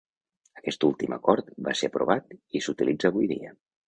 Aquest últim acord va ser aprovat i s'utilitza avui dia.